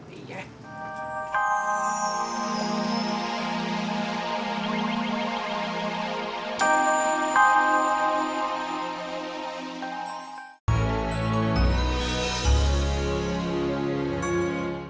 boleh jaga warung ya